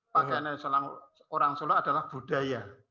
pakaian orang solo adalah budaya